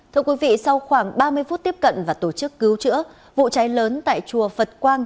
thưa quý vị sau khoảng ba mươi phút tiếp cận và tổ chức cứu chữa vụ cháy lớn tại chùa phật quang